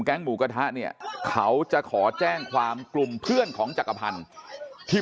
หมูกระทะเนี่ยเขาจะขอแจ้งความกลุ่มเพื่อนของจักรพันธ์ที่